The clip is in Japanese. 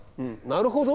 なるほど？